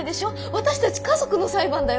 私たち家族の裁判だよ。